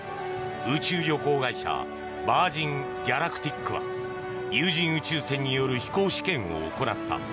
宇宙旅行会社ヴァージン・ギャラクティックは有人宇宙船による飛行試験を行った。